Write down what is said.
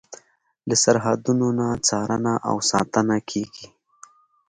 له سرحدونو نه څارنه او ساتنه کیږي.